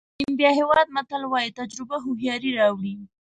د نیمبیا هېواد متل وایي تجربه هوښیاري راوړي.